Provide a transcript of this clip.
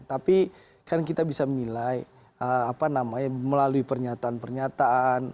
tapi kan kita bisa menilai melalui pernyataan pernyataan